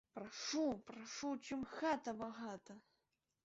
Прашу, прашу, чым хата багата.